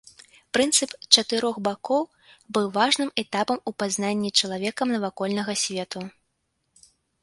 Прынцып чатырох бакоў быў важным этапам у пазнанні чалавекам навакольнага свету.